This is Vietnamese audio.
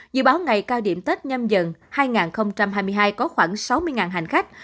dự báo ngày cao điểm tết nhâm dần hai nghìn hai mươi hai có khoảng sáu mươi hành khách